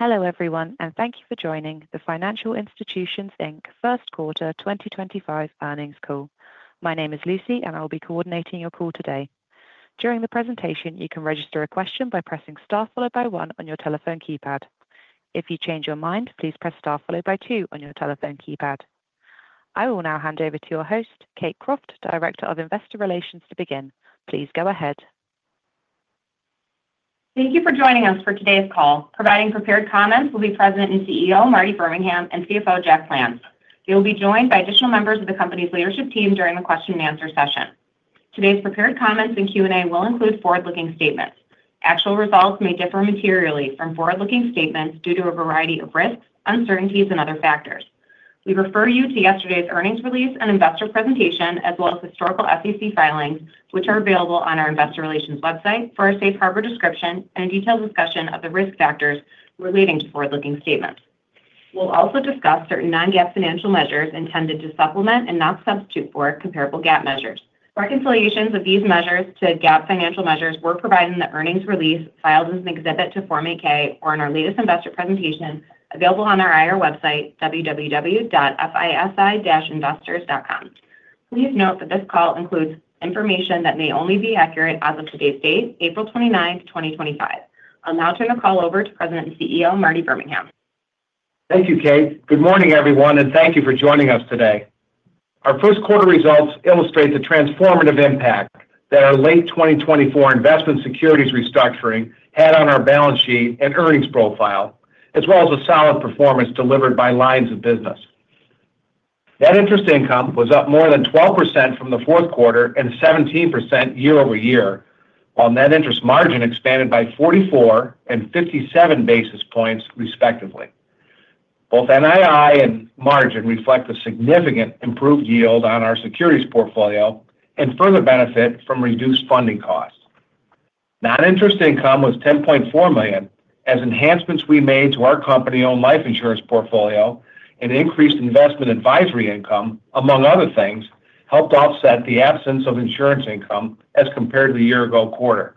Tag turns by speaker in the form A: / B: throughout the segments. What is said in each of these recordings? A: Hello everyone, and thank you for joining the Financial Institutions First Quarter 2025 Earnings Call. My name is Lucy, and I will be coordinating your call today. During the presentation, you can register a question by pressing star followed by one on your telephone keypad. If you change your mind, please press star followed by two on your telephone keypad. I will now hand over to your host, Kate Croft, Director of Investor Relations, to begin. Please go ahead.
B: Thank you for joining us for today's call. Providing prepared comments will be President and CEO Marty Birmingham and CFO Jack Plants. They will be joined by additional members of the company's leadership team during the question and answer session. Today's prepared comments and Q&A will include forward-looking statements. Actual results may differ materially from forward-looking statements due to a variety of risks, uncertainties, and other factors. We refer you to yesterday's earnings release and investor presentation, as well as historical SEC filings, which are available on our Investor Relations website for a safe harbor description and a detailed discussion of the risk factors relating to forward-looking statements. We will also discuss certain non-GAAP financial measures intended to supplement and not substitute for comparable GAAP measures. Reconciliations of these measures to GAAP financial measures were provided in the earnings release filed as an exhibit to Form 8-K or in our latest investor presentation available on our IR website, www.fisi-investors.com. Please note that this call includes information that may only be accurate as of today's date, April 29, 2025. I'll now turn the call over to President and CEO Marty Birmingham.
C: Thank you, Kate. Good morning, everyone, and thank you for joining us today. Our first quarter results illustrate the transformative impact that our late 2024 investment securities restructuring had on our balance sheet and earnings profile, as well as the solid performance delivered by lines of business. Net interest income was up more than 12% from the fourth quarter and 17% year-over-year, while net interest margin expanded by 44 and 57 basis points, respectively. Both NII and margin reflect a significant improved yield on our securities portfolio and further benefit from reduced funding costs. Non-Interest Income was $10.4 million, as enhancements we made to our company-owned life insurance portfolio and increased investment advisory income, among other things, helped offset the absence of insurance income as compared to the year-ago quarter.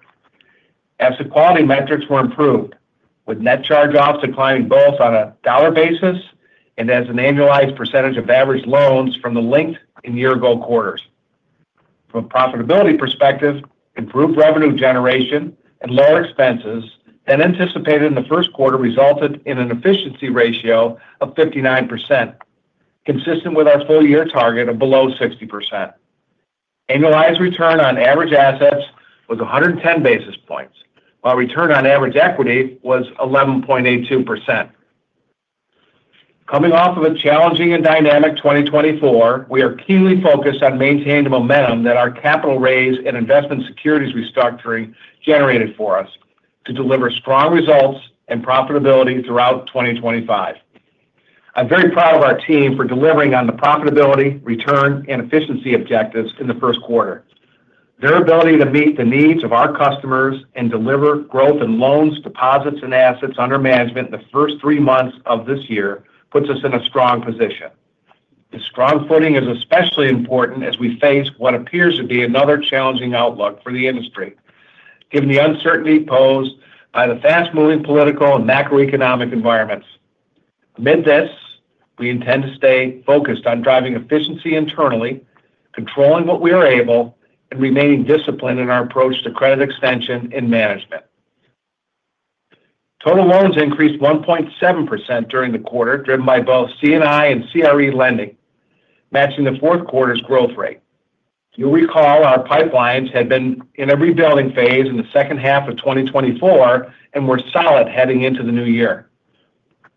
C: Asset quality metrics were improved, with net charge-offs declining both on a dollar basis and as an annualized percentage of average loans from the linked and year-ago quarters. From a profitability perspective, improved revenue generation and lower expenses than anticipated in the first quarter resulted in an efficiency ratio of 59%, consistent with our full-year target of below 60%. Annualized return on average assets was 110 basis points, while return on average equity was 11.82%. Coming off of a challenging and dynamic 2024, we are keenly focused on maintaining the momentum that our capital raise and investment securities restructuring generated for us to deliver strong results and profitability throughout 2025. I'm very proud of our team for delivering on the profitability, return, and efficiency objectives in the first quarter. Their ability to meet the needs of our customers and deliver growth in loans, deposits, and assets under management in the first three months of this year puts us in a strong position. This strong footing is especially important as we face what appears to be another challenging outlook for the industry, given the uncertainty posed by the fast-moving political and macroeconomic environments. Amid this, we intend to stay focused on driving efficiency internally, controlling what we are able, and remaining disciplined in our approach to credit extension and management. Total loans increased 1.7% during the quarter, driven by both C&I and CRE lending, matching the fourth quarter's growth rate. You'll recall our pipelines had been in a rebuilding phase in the second half of 2024 and were solid heading into the new year.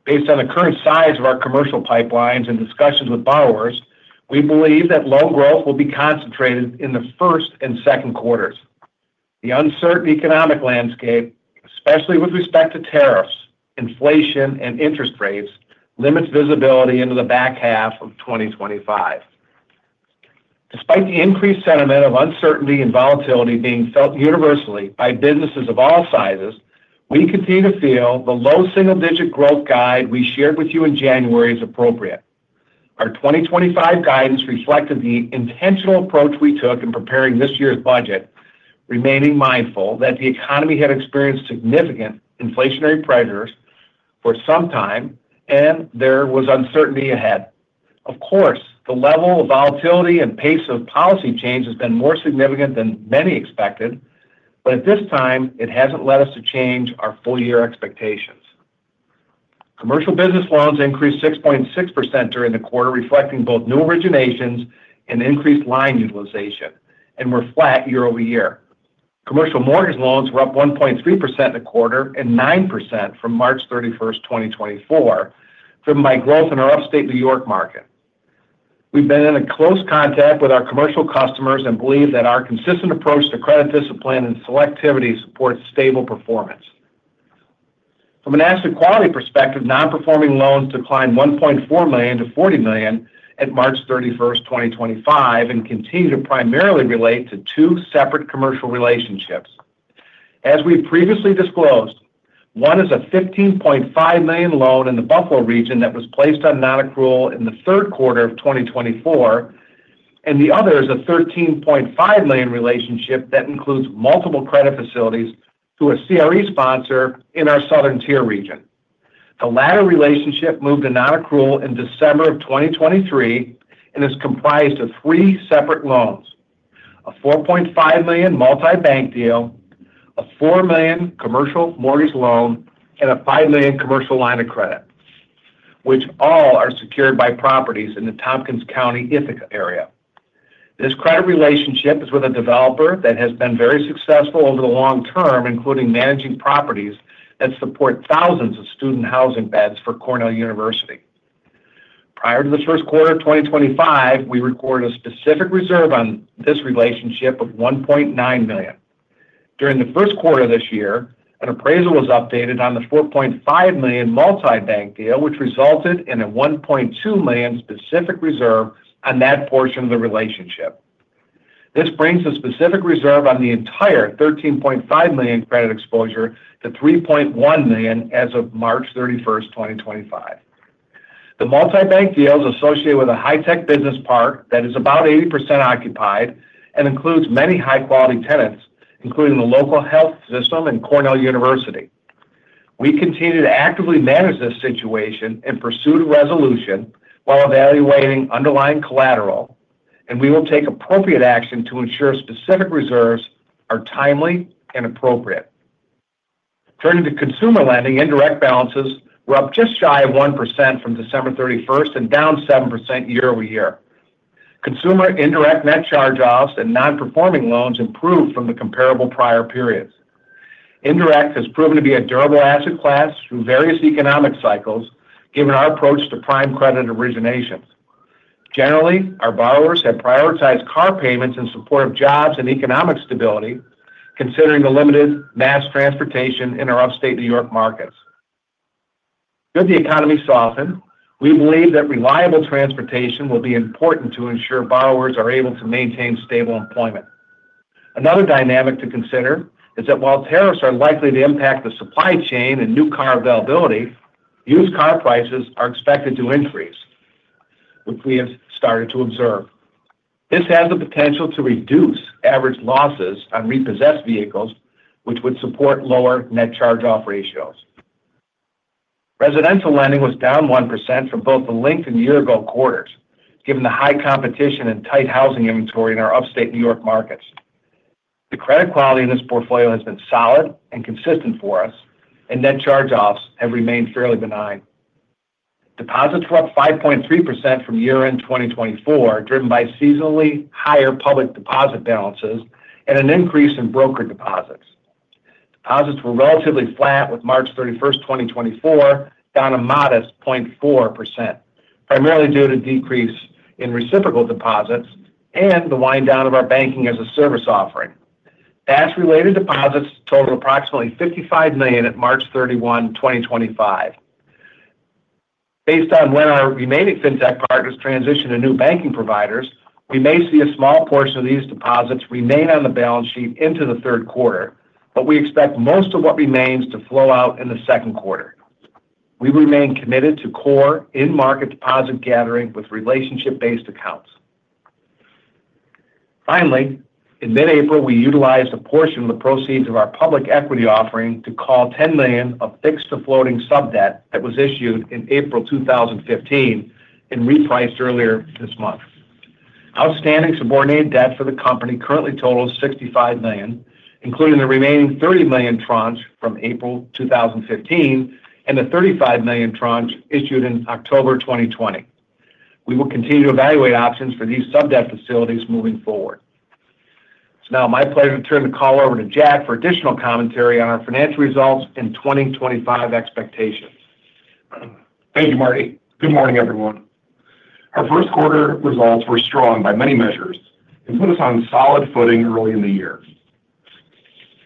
C: Based on the current size of our commercial pipelines and discussions with borrowers, we believe that loan growth will be concentrated in the first and second quarters. The uncertain economic landscape, especially with respect to tariffs, inflation, and interest rates, limits visibility into the back half of 2025. Despite the increased sentiment of uncertainty and volatility being felt universally by businesses of all sizes, we continue to feel the low single-digit growth guide we shared with you in January is appropriate. Our 2025 guidance reflected the intentional approach we took in preparing this year's budget, remaining mindful that the economy had experienced significant inflationary pressures for some time and there was uncertainty ahead. Of course, the level of volatility and pace of policy change has been more significant than many expected, but at this time, it has not led us to change our full-year expectations. Commercial business loans increased 6.6% during the quarter, reflecting both new originations and increased line utilization, and were flat year-over-year. Commercial mortgage loans were up 1.3% in the quarter and 9% from March 31st, 2024, driven by growth in our Upstate New York market. We've been in close contact with our commercial customers and believe that our consistent approach to credit discipline and selectivity supports stable performance. From an asset quality perspective, non-performing loans declined $1.4 million-$40 million at March 31st, 2025, and continue to primarily relate to two separate commercial relationships. As we've previously disclosed, one is a $15.5 million loan in the Buffalo region that was placed on non-accrual in the third quarter of 2024, and the other is a $13.5 million relationship that includes multiple credit facilities through a CRE sponsor in our Southern Tier region. The latter relationship moved to non-accrual in December of 2023 and is comprised of three separate loans: a $4.5 million multi-bank deal, a $4 million commercial mortgage loan, and a $5 million commercial line of credit, which all are secured by properties in the Tompkins County Ithaca area. This credit relationship is with a developer that has been very successful over the long term, including managing properties that support thousands of student housing beds for Cornell University. Prior to the first quarter of 2025, we recorded a specific reserve on this relationship of $1.9 million. During the first quarter of this year, an appraisal was updated on the $4.5 million multi-bank deal, which resulted in a $1.2 million specific reserve on that portion of the relationship. This brings the specific reserve on the entire $13.5 million credit exposure to $3.1 million as of March 31st, 2025. The multi-bank deal is associated with a high-tech business park that is about 80% occupied and includes many high-quality tenants, including the local health system and Cornell University. We continue to actively manage this situation in pursuit of resolution while evaluating underlying collateral, and we will take appropriate action to ensure specific reserves are timely and appropriate. Turning to consumer lending, indirect balances were up just shy of 1% from December 31st and down 7% year-over-year. Consumer indirect net charge-offs and non-performing loans improved from the comparable prior periods. Indirect has proven to be a durable asset class through various economic cycles, given our approach to prime credit originations. Generally, our borrowers have prioritized car payments in support of jobs and economic stability, considering the limited mass transportation in our upstate New York markets. Should the economy soften, we believe that reliable transportation will be important to ensure borrowers are able to maintain stable employment. Another dynamic to consider is that while tariffs are likely to impact the supply chain and new car availability, used car prices are expected to increase, which we have started to observe. This has the potential to reduce average losses on repossessed vehicles, which would support lower net charge-off ratios. Residential lending was down 1% from both the linked and year-ago quarters, given the high competition and tight housing inventory in our Upstate New York markets. The credit quality in this portfolio has been solid and consistent for us, and net charge-offs have remained fairly benign. Deposits were up 5.3% from year-end 2024, driven by seasonally higher public deposit balances and an increase in broker deposits. Deposits were relatively flat with March 31st, 2024, down a modest 0.4%, primarily due to a decrease in reciprocal deposits and the wind-down of our banking-as-a-service offering. Tax-related deposits totaled approximately $55 million at March 31, 2025. Based on when our remaining fintech partners transition to new banking providers, we may see a small portion of these deposits remain on the balance sheet into the third quarter, but we expect most of what remains to flow out in the second quarter. We remain committed to core in-market deposit gathering with relationship-based accounts. Finally, in mid-April, we utilized a portion of the proceeds of our public equity offering to call $10 million of fixed-to-floating sub-debt that was issued in April 2015 and repriced earlier this month. Outstanding subordinated debt for the company currently totals $65 million, including the remaining $30 million tranche from April 2015 and the $35 million tranche issued in October 2020. We will continue to evaluate options for these sub-debt facilities moving forward. It's now my pleasure to turn the call over to Jack for additional commentary on our financial results and 2025 expectations.
D: Thank you, Marty. Good morning, everyone. Our first quarter results were strong by many measures and put us on solid footing early in the year.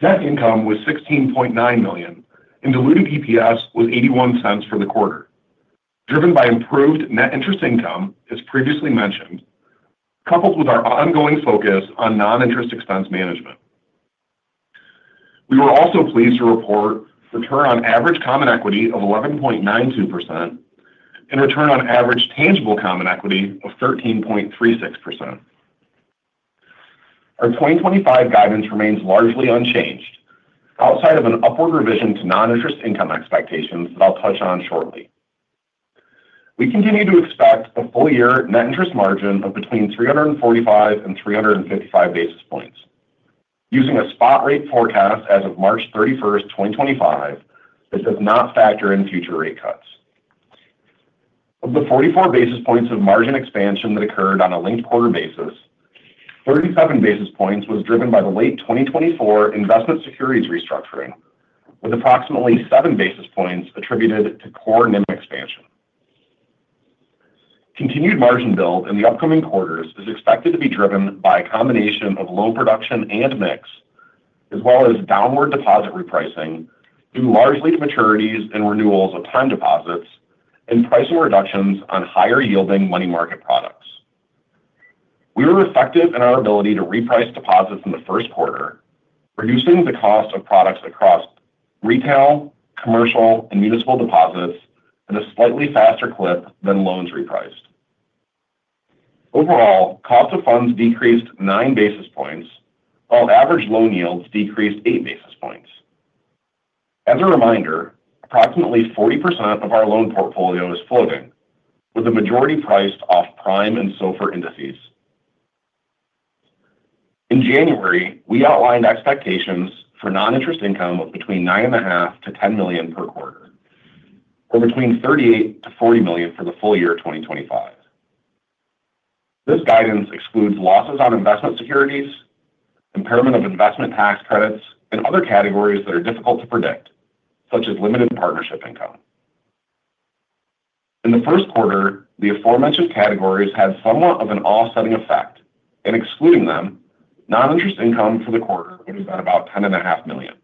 D: Net income was $16.9 million, and diluted EPS was $0.81 for the quarter. Driven by improved net interest income, as previously mentioned, coupled with our ongoing focus on non-interest expense management. We were also pleased to report return on average common equity of 11.92% and return on average tangible common equity of 13.36%. Our 2025 guidance remains largely unchanged outside of an upward revision to non-interest income expectations that I'll touch on shortly. We continue to expect a full-year net interest margin of between 345 and 355 basis points. Using a spot rate forecast as of March 31st, 2025, this does not factor in future rate cuts. Of the 44 basis points of margin expansion that occurred on a linked quarter basis, 37 basis points was driven by the late 2024 investment securities restructuring, with approximately seven basis points attributed to core NIM expansion. Continued margin build in the upcoming quarters is expected to be driven by a combination of loan production and mix, as well as downward deposit repricing, due largely to maturities and renewals of time deposits and pricing reductions on higher-yielding money market products. We were effective in our ability to reprice deposits in the first quarter, reducing the cost of products across retail, commercial, and municipal deposits at a slightly faster clip than loans repriced. Overall, cost of funds decreased nine basis points, while average loan yields decreased eight basis points. As a reminder, approximately 40% of our loan portfolio is floating, with the majority priced off prime and SOFR indices. In January, we outlined expectations for non-interest income of between $9.5 million-$10 million per quarter, or between $38 million-$40 million for the full year 2025. This guidance excludes losses on investment securities, impairment of investment tax credits, and other categories that are difficult to predict, such as limited partnership income. In the first quarter, the aforementioned categories had somewhat of an offsetting effect, and excluding them, non-interest income for the quarter would have been about $10.5 million.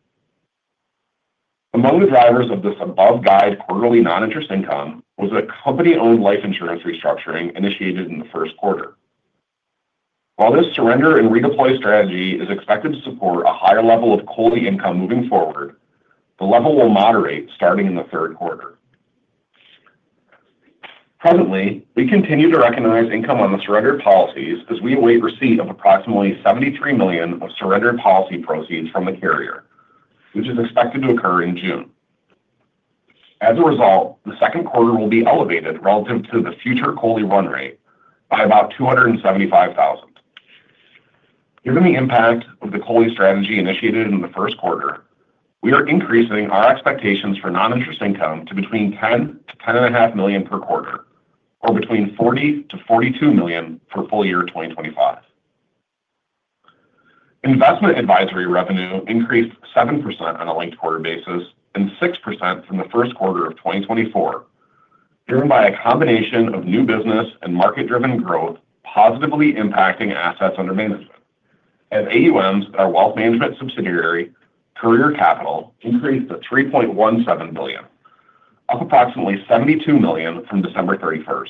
D: Among the drivers of this above-guided quarterly non-interest income was a company-owned life insurance restructuring initiated in the first quarter. While this surrender and redeploy strategy is expected to support a higher level of COLI income moving forward, the level will moderate starting in the third quarter. Presently, we continue to recognize income on the surrendered policies as we await receipt of approximately $73 million of surrendered policy proceeds from the carrier, which is expected to occur in June. As a result, the second quarter will be elevated relative to the future COLI run rate by about $275,000. Given the impact of the COLI strategy initiated in the first quarter, we are increasing our expectations for non-interest income to between $10million-$10.5 million per quarter, or between $40million-$42 million for full year 2025. Investment advisory revenue increased seven percent on a linked quarter basis and six percent from the first quarter of 2024, driven by a combination of new business and market-driven growth positively impacting assets under management, as AUMs at our wealth management subsidiary, Courier Capital, increased to $3.17 billion, up approximately $72 million from December 31st.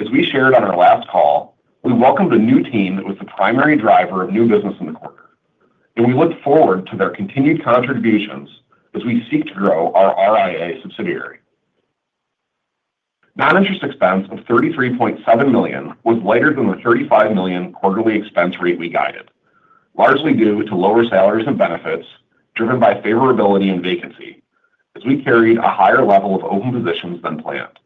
D: As we shared on our last call, we welcomed a new team that was the primary driver of new business in the quarter, and we look forward to their continued contributions as we seek to grow our RIA subsidiary. Non-interest expense of $33.7 million was lighter than the $35 million quarterly expense rate we guided, largely due to lower salaries and benefits driven by favorability and vacancy, as we carried a higher level of open positions than planned.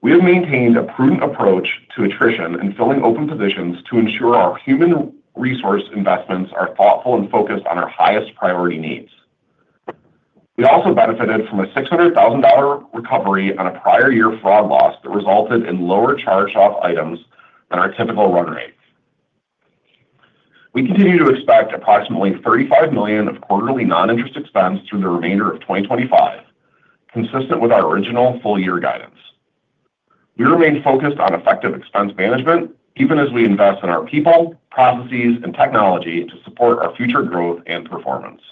D: We have maintained a prudent approach to attrition and filling open positions to ensure our human resource investments are thoughtful and focused on our highest priority needs. We also benefited from a $600,000 recovery on a prior year fraud loss that resulted in lower charge-off items than our typical run rate. We continue to expect approximately $35 million of quarterly non-interest expense through the remainder of 2025, consistent with our original full-year guidance. We remain focused on effective expense management, even as we invest in our people, processes, and technology to support our future growth and performance.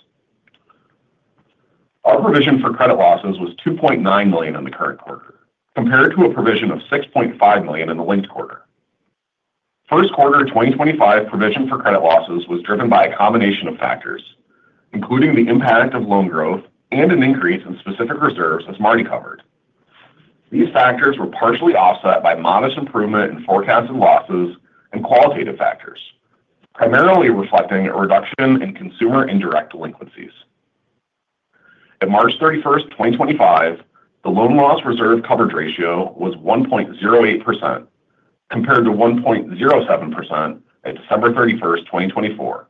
D: Our provision for credit losses was $2.9 million in the current quarter, compared to a provision of $6.5 million in the linked quarter. First quarter 2025 provision for credit losses was driven by a combination of factors, including the impact of loan growth and an increase in specific reserves, as Marty covered. These factors were partially offset by modest improvement in forecasted losses and qualitative factors, primarily reflecting a reduction in consumer indirect delinquencies. At March 31st, 2025, the loan loss reserve coverage ratio was 1.08%, compared to 1.07% at December 31st, 2024,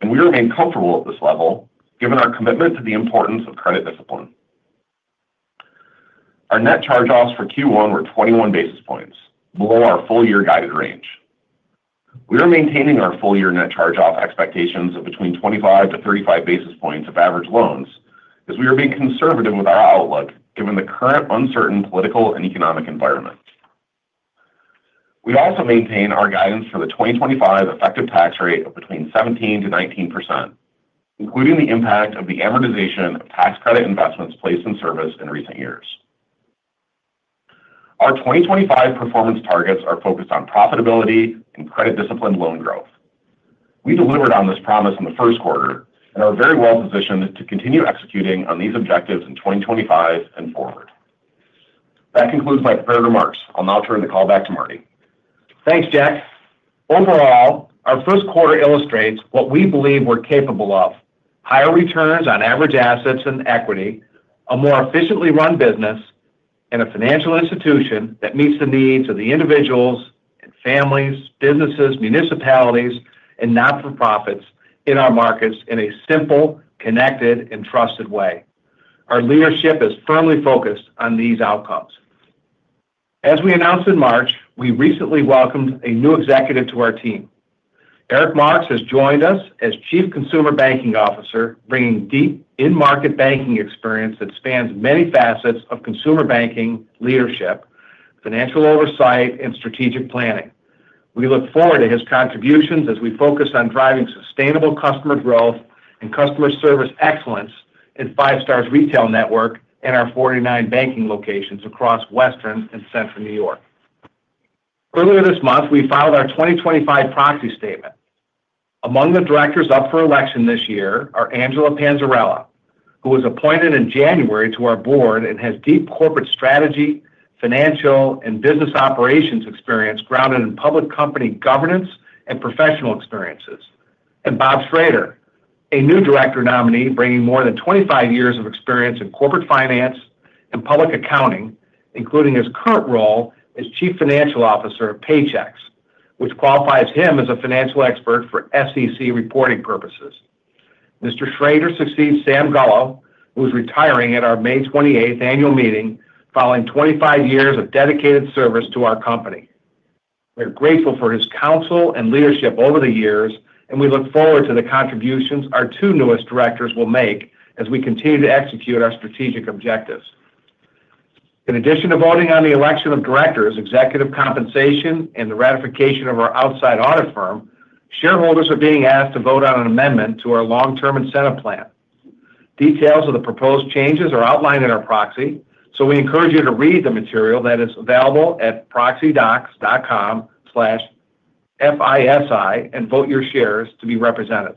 D: and we remain comfortable at this level, given our commitment to the importance of credit discipline. Our net charge-offs for Q1 were 21 basis points, below our full-year guided range. We are maintaining our full-year net charge-off expectations of between 25-35 basis points of average loans, as we are being conservative with our outlook, given the current uncertain political and economic environment. We also maintain our guidance for the 2025 effective tax rate of between 17%-19%, including the impact of the amortization of tax credit investments placed in service in recent years. Our 2025 performance targets are focused on profitability and credit-disciplined loan growth. We delivered on this promise in the first quarter and are very well positioned to continue executing on these objectives in 2025 and forward. That concludes my prepared remarks. I'll now turn the call back to Marty.
C: Thanks, Jack. Overall, our first quarter illustrates what we believe we're capable of: higher returns on average assets and equity, a more efficiently run business, and a financial institution that meets the needs of the individuals and families, businesses, municipalities, and not-for-profits in our markets in a simple, connected, and trusted way. Our leadership is firmly focused on these outcomes. As we announced in March, we recently welcomed a new executive to our team. Eric Marks has joined us as Chief Consumer Banking Officer, bringing deep in-market banking experience that spans many facets of consumer banking leadership, financial oversight, and strategic planning. We look forward to his contributions as we focus on driving sustainable customer growth and customer service excellence in Five Star's retail network and our 49 banking locations across Western and Central New York. Earlier this month, we filed our 2025 proxy statement. Among the directors up for election this year are Angela Panzarella, who was appointed in January to our board and has deep corporate strategy, financial, and business operations experience grounded in public company governance and professional experiences, and Bob Schrader, a new director nominee bringing more than 25 years of experience in corporate finance and public accounting, including his current role as Chief Financial Officer of Paychex, which qualifies him as a financial expert for SEC reporting purposes. Mr. Schrader succeeds Sam Gullo, who is retiring at our May 28 annual meeting following 25 years of dedicated service to our company. We are grateful for his counsel and leadership over the years, and we look forward to the contributions our two newest directors will make as we continue to execute our strategic objectives. In addition to voting on the election of directors, executive compensation, and the ratification of our outside audit firm, shareholders are being asked to vote on an amendment to our long-term incentive plan. Details of the proposed changes are outlined in our proxy, so we encourage you to read the material that is available at proxydocs.com/fisi and vote your shares to be represented.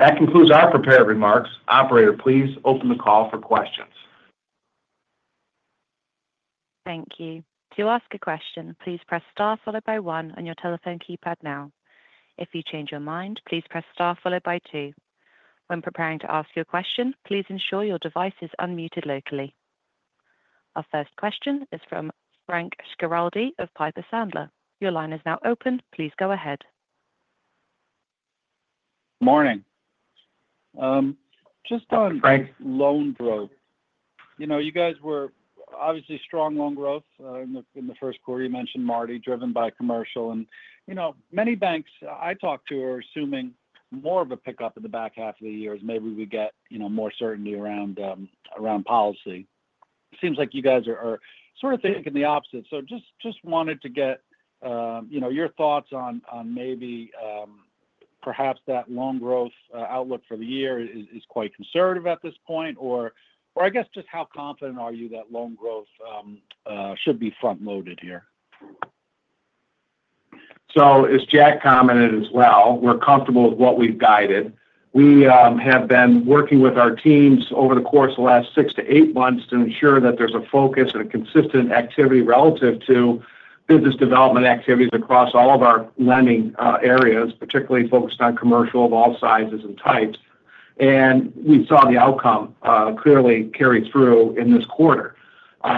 C: That concludes our prepared remarks. Operator, please open the call for questions.
A: Thank you. To ask a question, please press star followed by one on your telephone keypad now. If you change your mind, please press star followed by two. When preparing to ask your question, please ensure your device is unmuted locally. Our first question is from Frank Schiraldi of Piper Sandler. Your line is now open. Please go ahead.
E: Morning. Just on loan growth. You guys were obviously strong loan growth in the first quarter. You mentioned Marty driven by commercial. Many banks I talked to are assuming more of a pickup in the back half of the year as maybe we get more certainty around policy. It seems like you guys are sort of thinking the opposite. Just wanted to get your thoughts on maybe perhaps that loan growth outlook for the year is quite conservative at this point, or I guess just how confident are you that loan growth should be front-loaded here?
C: As Jack commented as well, we're comfortable with what we've guided. We have been working with our teams over the course of the last six to eight months to ensure that there's a focus and a consistent activity relative to business development activities across all of our lending areas, particularly focused on commercial of all sizes and types. We saw the outcome clearly carry through in this quarter,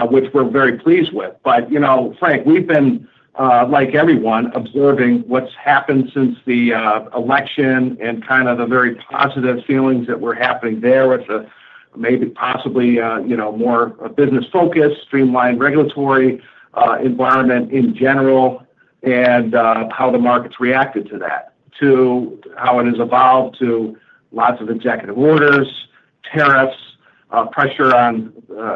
C: which we're very pleased with. Frank, we've been, like everyone, observing what's happened since the election and kind of the very positive feelings that were happening there with maybe possibly more business-focused, streamlined regulatory environment in general, and how the markets reacted to that, to how it has evolved to lots of executive orders, tariffs, pressure on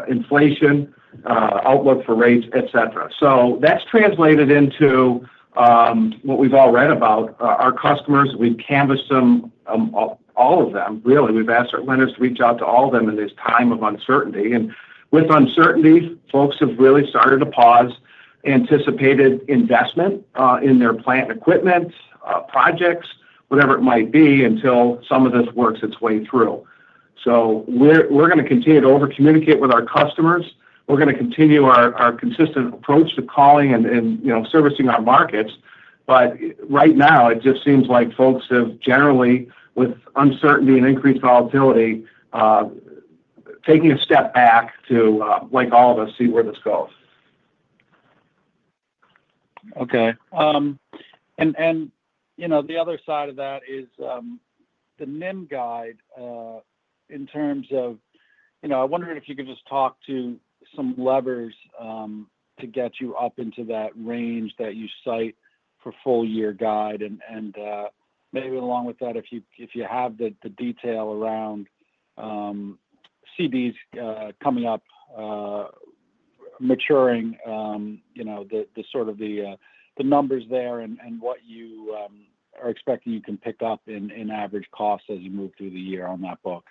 C: inflation, outlook for rates, etc. That's translated into what we've all read about our customers. We've canvassed them, all of them, really. We've asked our lenders to reach out to all of them in this time of uncertainty. With uncertainty, folks have really started to pause, anticipated investment in their plant equipment, projects, whatever it might be, until some of this works its way through. We're going to continue to over-communicate with our customers. We're going to continue our consistent approach to calling and servicing our markets. Right now, it just seems like folks have generally, with uncertainty and increased volatility, taken a step back to, like all of us, see where this goes.
E: Okay. The other side of that is the NIM guide in terms of I wondered if you could just talk to some levers to get you up into that range that you cite for full-year guide. Maybe along with that, if you have the detail around CDs coming up, maturing, the sort of the numbers there and what you are expecting you can pick up in average costs as you move through the year on that book.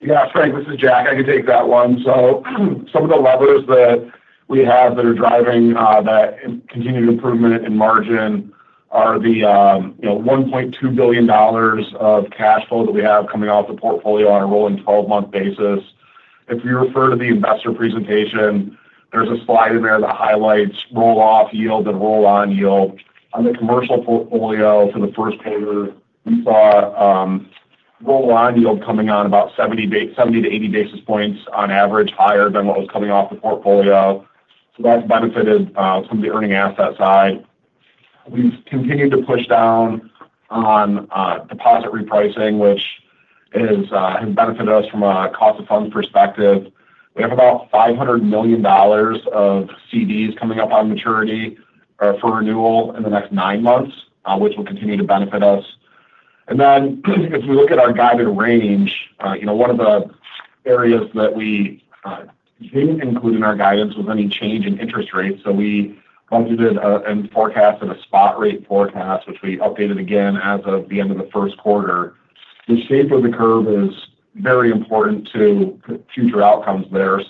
D: Yeah. Frank, this is Jack. I can take that one. Some of the levers that we have that are driving that continued improvement in margin are the $1.2 billion of cash flow that we have coming off the portfolio on a rolling 12-month basis. If you refer to the investor presentation, there is a slide in there that highlights roll-off yield and roll-on yield. On the commercial portfolio for the first quarter, we saw roll-on yield coming on about 70-80 basis points on average, higher than what was coming off the portfolio. That has benefited from the earning asset side. We have continued to push down on deposit repricing, which has benefited us from a cost-of-funds perspective. We have about $500 million of CDs coming up on maturity for renewal in the next nine months, which will continue to benefit us. If we look at our guided range, one of the areas that we did not include in our guidance was any change in interest rates. We budgeted and forecasted a spot rate forecast, which we updated again as of the end of the first quarter. The shape of the curve is very important to future outcomes there.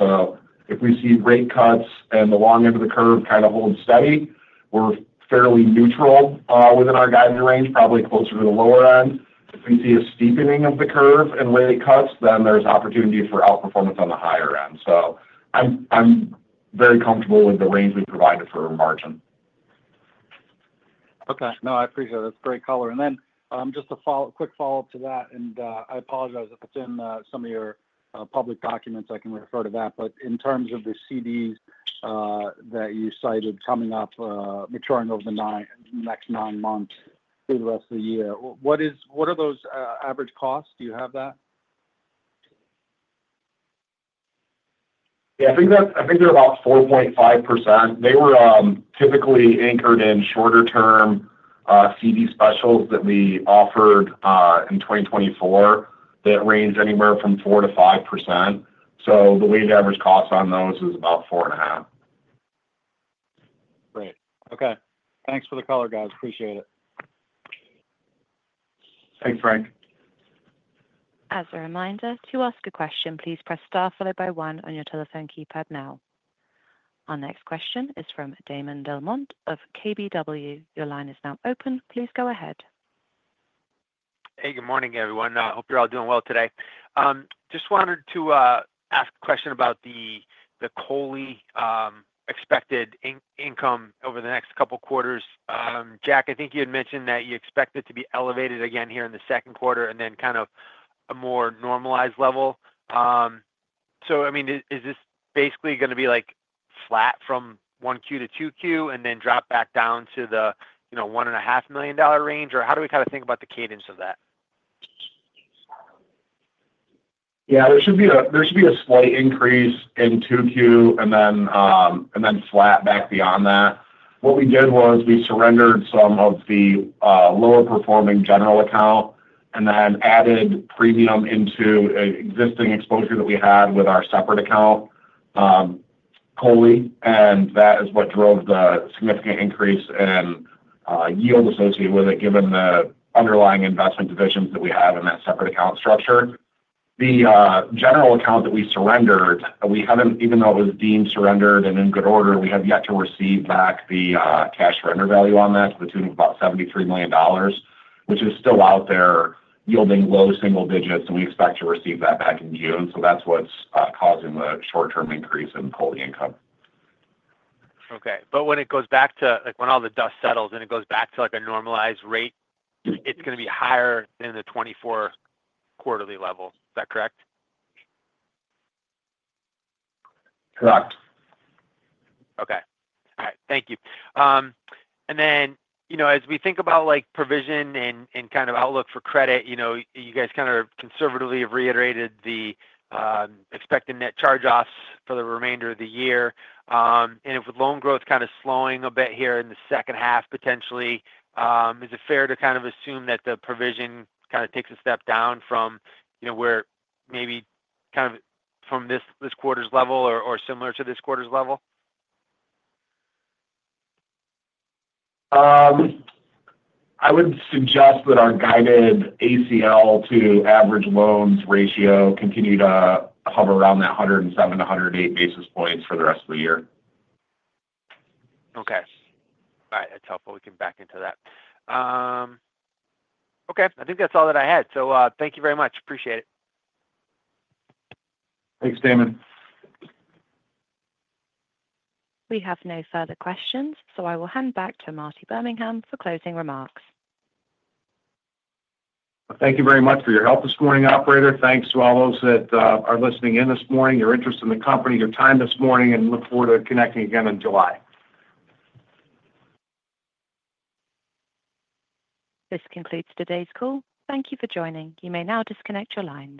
D: If we see rate cuts and the long end of the curve kind of holds steady, we are fairly neutral within our guided range, probably closer to the lower end. If we see a steepening of the curve and rate cuts, then there is opportunity for outperformance on the higher end. I am very comfortable with the range we provided for margin.
E: Okay. No, I appreciate that. That's great, Caller. And then just a quick follow-up to that, and I apologize if it's in some of your public documents, I can refer to that. But in terms of the CDs that you cited coming up, maturing over the next nine months through the rest of the year, what are those average costs? Do you have that?
D: Yeah. I think they're about 4.5%. They were typically anchored in shorter-term CD specials that we offered in 2024 that ranged anywhere from 4%-5%. The weighted average cost on those is about 4.5%.
E: Great. Okay. Thanks for the call, guys. Appreciate it.
D: Thanks, Frank.
A: As a reminder, to ask a question, please press star followed by one on your telephone keypad now. Our next question is from Damon DelMonte of KBW. Your line is now open. Please go ahead.
F: Hey, good morning, everyone. I hope you're all doing well today. Just wanted to ask a question about the COLI expected income over the next couple of quarters. Jack, I think you had mentioned that you expect it to be elevated again here in the second quarter and then kind of a more normalized level. I mean, is this basically going to be flat from 1Q to 2Q and then drop back down to the $1.5 million range, or how do we kind of think about the cadence of that?
D: Yeah. There should be a slight increase in 2Q and then flat back beyond that. What we did was we surrendered some of the lower-performing general account and then added premium into an existing exposure that we had with our separate account, COLI, and that is what drove the significant increase in yield associated with it, given the underlying investment divisions that we have in that separate account structure. The general account that we surrendered, even though it was deemed surrendered and in good order, we have yet to receive back the cash surrender value on that to the tune of about $73 million, which is still out there yielding low single digits, and we expect to receive that back in June. That is what is causing the short-term increase in COLI income.
F: Okay. When it goes back to when all the dust settles and it goes back to a normalized rate, it's going to be higher than the 2024 quarterly level. Is that correct?
D: Correct.
F: Okay. All right. Thank you. As we think about provision and kind of outlook for credit, you guys kind of conservatively have reiterated the expected net charge-offs for the remainder of the year. If loan growth is kind of slowing a bit here in the second half, potentially, is it fair to kind of assume that the provision kind of takes a step down from where maybe kind of from this quarter's level or similar to this quarter's level?
D: I would suggest that our guided ACL to average loans ratio continue to hover around that 107-108 basis points for the rest of the year.
F: Okay. All right. That's helpful. We can back into that. I think that's all that I had. Thank you very much. Appreciate it.
D: Thanks, Damon.
A: We have no further questions, so I will hand back to Marty Birmingham for closing remarks.
C: Thank you very much for your help this morning, Operator. Thanks to all those that are listening in this morning, your interest in the company, your time this morning, and look forward to connecting again in July.
A: This concludes today's call. Thank you for joining. You may now disconnect your lines.